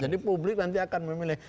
jadi publik nanti akan memilih